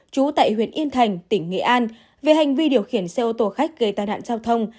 trú tại huyện yên thành tỉnh nghệ an về hành vi điều khiển xe ô tô khách gây tai nạn giao thông